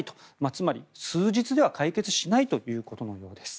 つまり、数日では解決しないということのようです。